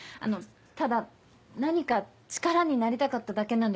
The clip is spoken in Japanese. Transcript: ただ何か力になりたかっただけなんです。